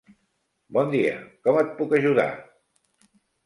Bon dia, com et puc ajudar?